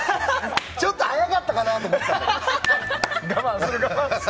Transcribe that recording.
ちょっと早まったかなと思ったけど。